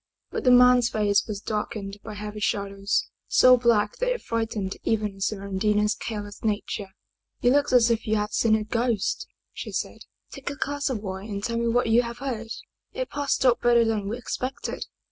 But the man's face was darkened by heavy shadows, so black that it frightened even Smeraldina's careless nature. " You look as if you had seen a ghost," she said. " Take a glass of wine and tell me what you have heard. It passed off better than we ex pected."